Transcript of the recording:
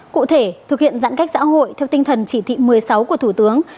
cụ thể thực hiện giãn cách xã hội theo tinh thần chỉ thị một mươi sáu của thủ tướng